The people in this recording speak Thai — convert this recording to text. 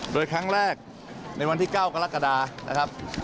โดยครั้งแรกในวันที่๙กรกฎานะครับ